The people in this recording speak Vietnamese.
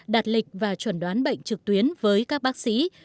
đạt lịch và chuẩn đoán bệnh trực tuyến với các bác sĩ